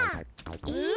えっ？